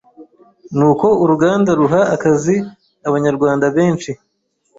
n’uko uruganda ruha akazi Abanyarwanda benshi